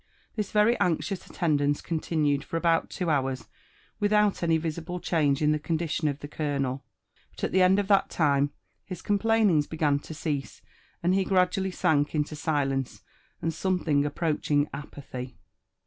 This very anxious attendanee continued for about two hours without any visible change in the eondition of the eojonel ; but at the end of that time his complainingB began to cease, and he gradually sank into si lence, and something approaching apaihy.